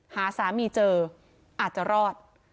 หาสามีเจออาจจะรอด